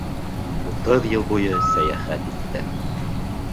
Утыҙ йыл буйы сәйәхәт иттем.